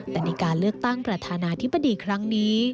แต่ในการเลือกตั้งประธานาธิบดีครั้งนี้